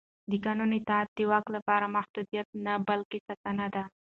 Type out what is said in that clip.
د قانون اطاعت د واک لپاره محدودیت نه بلکې ساتنه ده